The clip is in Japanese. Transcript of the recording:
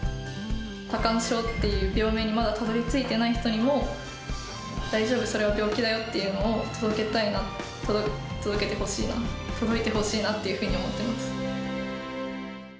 多汗症っていう病名にまだたどりついてない人にも、大丈夫、それは病気だよっていうのを届けたいな、届けてほしいな、届いてほしいなっていうふうに思ってます。